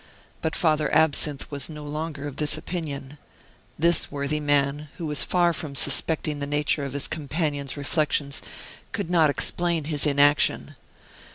But Father Absinthe was no longer of this opinion. This worthy man, who was far from suspecting the nature of his companion's reflections could not explain his inaction.